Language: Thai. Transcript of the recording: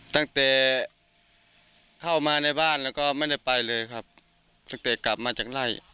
ตั้งแต่เข้ามาในบ้านแล้วก็ไม่ได้ไปเลยครับตั้งแต่กลับมาจากไล่